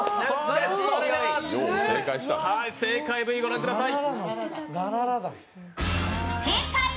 正解Ｖ、ご覧ください。